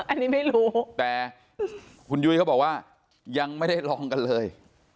อันนี้ไม่รู้แต่คุณยุ้ยเขาบอกว่ายังไม่ได้ลองกันเลย